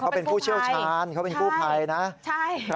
เขาเป็นผู้เชี่ยวชาญเขาเป็นกู้ภัยนะใช่